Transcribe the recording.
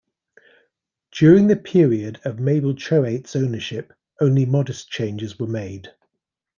During the period of Mabel Choate's ownership only modest changes were made.